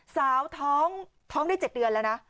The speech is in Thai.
สาวท้องได้๗เดือนแล้วนะ